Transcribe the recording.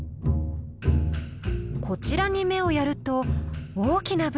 こちらに目をやると大きな舞台が。